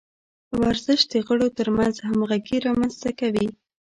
ورزش د غړو ترمنځ همغږي رامنځته کوي.